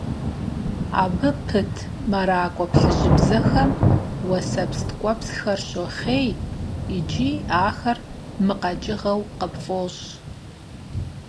Абы пыт мэракӀуэ плъыжьыбзэхэм уэсэпс ткӀуэпсхэр щохъей икӀи ахэр мыкъэкӀыгъэу къыпфӀощӀ.